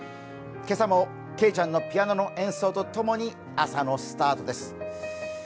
今朝もけいちゃんのピアノの演奏と共に朝のスタートです。